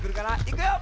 いくよ！